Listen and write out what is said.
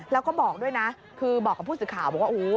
แล้วก็บอกด้วยนะคือบอกกับผู้สื่อข่าวบอกว่า